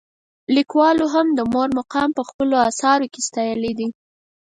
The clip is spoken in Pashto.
لیکوالو هم د مور مقام په خپلو اثارو کې ستایلی دی.